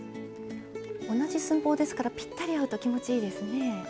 同じ寸法ですからぴったり合うと気持ちいいですね。